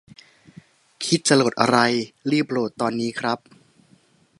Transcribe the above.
คิดจะโหลดอะไร รีบโหลดตอนนี้ครับ